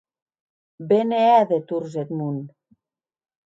Be ne hè de torns eth mon!